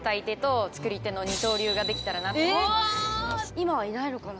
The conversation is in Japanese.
今はいないのかな？